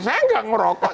saya gak merokok